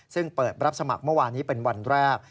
ซึ่งเปิดรับสมัครเมื่อวานนี้เป็นวันแรก